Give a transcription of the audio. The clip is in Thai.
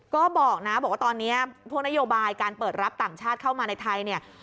ก็บอกนะบอกว่าตอนนี้พวกนโยบายการเปิดรับต่างชาติเข้ามาในไทยเนี่ย